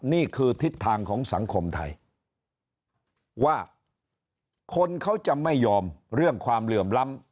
นี่คือทิศทางของสังคมไทยว่าคนเขาจะไม่ยอมเรื่องความเหลื่อมล้ำ